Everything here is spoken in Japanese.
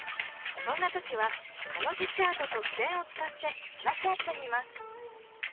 そんな時は田の字チャートとふせんをつかって話し合ってみます。